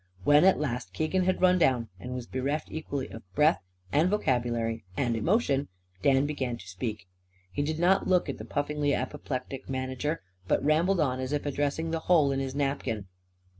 When at last Keegan had run down and was bereft equally of breath and vocabulary and emotion, Dan began to speak. He did not look at the puffingly apoplectic manager, but rambled on as if addressing the hole in his napkin.